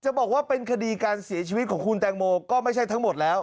บอกว่าเป็นคดีการเสียชีวิตของคุณแตงโมก็ไม่ใช่ทั้งหมดแล้ว